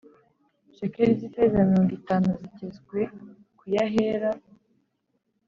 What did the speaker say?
Shekeli z ifeza mirongo itanu zigezwe ku y ahera